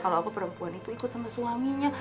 kalau aku perempuan itu ikut sama suaminya